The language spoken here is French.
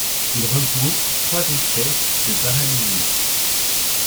Il regroupe trois espèces de paradisiers.